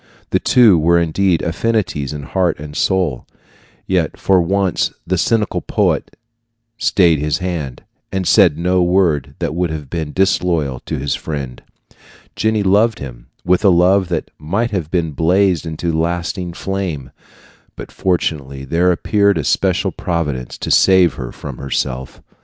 The two were indeed affinities in heart and soul; yet for once the cynical poet stayed his hand, and said no word that would have been disloyal to his friend. Jenny loved him with a love that might have blazed into a lasting flame; but fortunately there appeared a special providence to save her from herself.